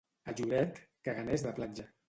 A Lloret, caganers de platja.